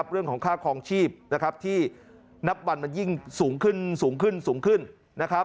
เรื่องของค่าคลองชีพที่นับบันมันยิ่งสูงขึ้น